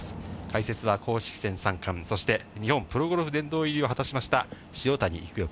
解説は公式戦３冠、日本プロゴルフ殿堂入りを果たしました、塩谷育代